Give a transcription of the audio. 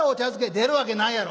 「出るわけないやろ。